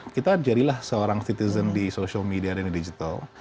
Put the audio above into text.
kita jadilah seorang citizen di social media dana digital